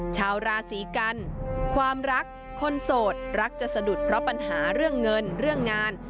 ชาวราศีกันความรักคนโสดรักจะสะดุดเพราะปัญหาเรื่องเงินเรื่องงาน